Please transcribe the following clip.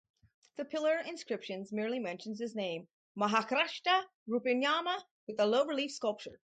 The pillar inscriptions merely mentions his name Mahakshtrapa Rupiamma with a low relief sculpture.